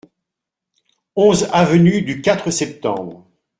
onze avenue du Quatre Septembre